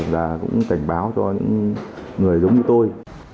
và cũng cảnh báo cho những người giống như tôi